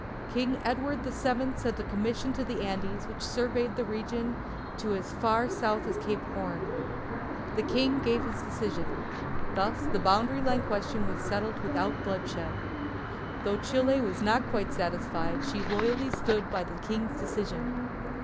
King Edward the Seventh sent a commission to the Andes, which surveyed the region to as far south as Cape Horn. The King gave his decision. Thus the boundary question was settled without bloodshed. Though Chile was not quite satisfied, she loyally stood by the King's decision.